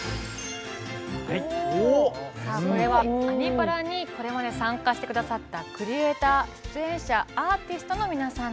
これは「アニ×パラ」にこれまで参加してくださったクリエーター、出演者アーティストの皆さんです。